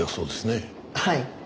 はい。